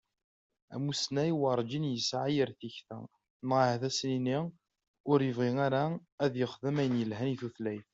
Amussnaw urǧin yesƐa yir tikta, neɣ ahat ad as-nini ur yebɣi ara ad yexdem ayen yelhan i tutlayt.